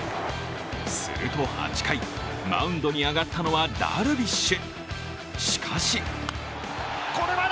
すると８回、マウンドに上がったのはダルビッシュ。